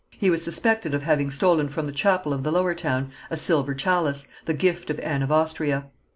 He was suspected of having stolen from the chapel of the Lower Town, a silver chalice, the gift of Anne of Austria.